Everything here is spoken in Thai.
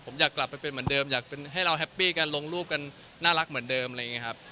ผมอยากกลับไปเป็นเหมือนเดิมอยากให้เราแฮปปี้กันลงรูปกันน่ารักเหมือนเดิมอะไรอย่างนี้ครับ